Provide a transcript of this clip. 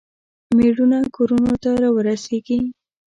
میړونه کورونو ته راورسیږي.